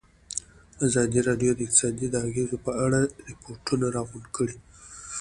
ازادي راډیو د اقتصاد د اغېزو په اړه ریپوټونه راغونډ کړي.